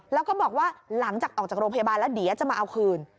แล้วก็บอกว่าหลังจากออกจากโรงพยาบาลแล้วเดี๋ยวจะมาเอาคืน